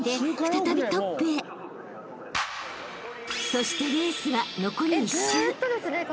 ［そしてレースは残り１周］